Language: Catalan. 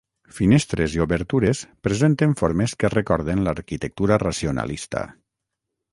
Finestres i obertures presenten formes que recorden l'arquitectura racionalista.